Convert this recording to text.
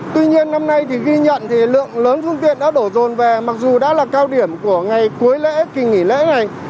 tuy nhiên năm nay thì ghi nhận thì lượng lớn phương tiện đã đổ rồn về mặc dù đã là cao điểm của ngày cuối lễ kỳ nghỉ lễ này